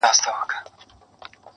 راوړې فریسو یې د تن خاوره له باګرامه,